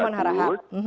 kepada hairuman harahak